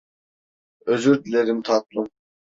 Özür dilerim tatlım.